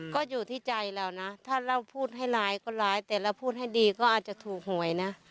ก็อยู่ที่ใจเรานะถ้าเราพูดให้ร้ายก็ร้ายแต่เราพูดให้ดีก็อาจจะถูกหวยนะ